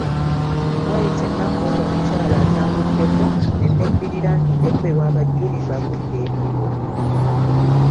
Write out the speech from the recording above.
Waayita ennaku nga mukyala atambuddeko ne nebbirira ntuukeko ewa ba Julie mbabuulire ebiriwo.